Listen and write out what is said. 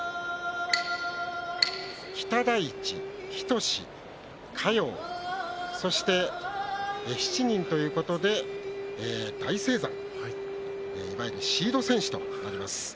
北大地、日翔志、嘉陽そして７人ということで大青山いわゆるシード選手となります。